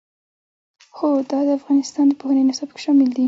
هوا د افغانستان د پوهنې نصاب کې شامل دي.